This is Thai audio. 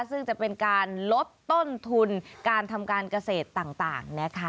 ซึ่งจะเป็นการลดต้นทุนการทำการเกษตรต่างนะคะ